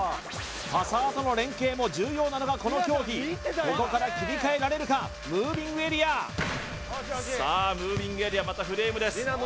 パサーとの連携も重要なのがこの競技ここから切り替えられるかムービングエリアさあムービングエリアまたフレームです